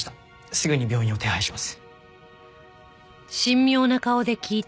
すぐに病院を手配します。